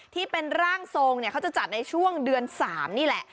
ที่เป็นร่างทรงเนี่ยเขาจะจัดในช่วงเดือน๓นี่แหละ